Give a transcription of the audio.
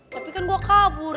tapi kan gua kabur ya